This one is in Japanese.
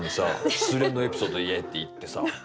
「失恋のエピソード言え」っていってさ。